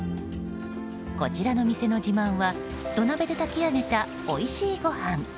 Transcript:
こちらの店の自慢は土鍋で炊き上げたおいしいご飯。